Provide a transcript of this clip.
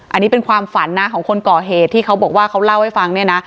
อันนี้เป็นความฝันนะของคนก่อเหตุที่เขาบอกว่าเขาเล่าให้ฟังเนี่ยนะ